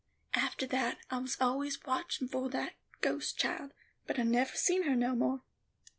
"Aftah that, I was always watchin' for that ghost child, but I nevah seen her no more.